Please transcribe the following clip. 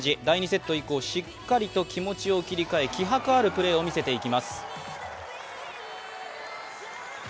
第２セット以降、しっかりと気持ちを切り替え気迫あるプレーを見せていきます。